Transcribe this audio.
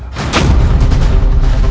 masuk lestri ibu